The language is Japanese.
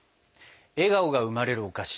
笑顔が生まれるお菓子